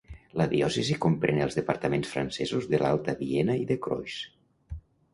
La diòcesi comprèn els departaments francesos de l'Alta Viena i de Creuse.